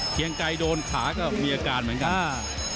เกียงไกรโดนขาก็มีอาการเหมือนกัน